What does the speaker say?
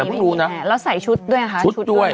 แล้วใส่ชุดด้วย